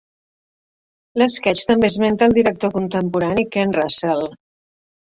L'esquetx també esmenta el director contemporani Ken Russell.